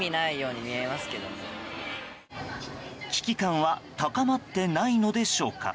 危機感は高まっていないのでしょうか。